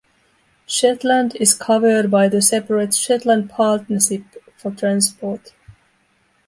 Shetland is covered by the separate Shetland Partnership for Transport.